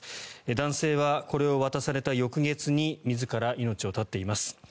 男性は、これを渡された翌月に自ら命を絶っています。